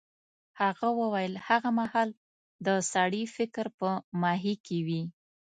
هغه وویل هغه مهال د سړي فکر په ماهي کې وي.